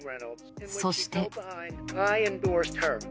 そして。